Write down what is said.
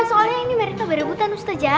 soalnya ini mereka berebutan ustazah